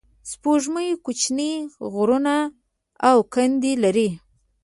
سپوږمۍ کوچنۍ غرونه او کندې لري